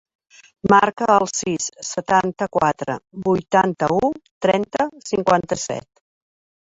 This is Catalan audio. Marca el sis, setanta-quatre, vuitanta-u, trenta, cinquanta-set.